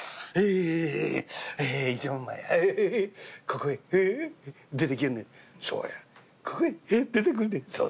「ここへ出てくんのや」。